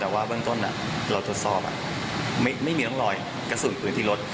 แต่ว่าเริ่มต้นเรารอแล้วต้นแล้วสอบไม่มีล้องรอยกระสุนกลืนที่รถ